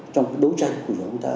trong đấu tranh của chúng ta